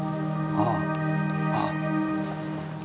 ああああ。